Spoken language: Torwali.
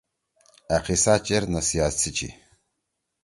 أ قصہ چیر نصیحت سی چھی۔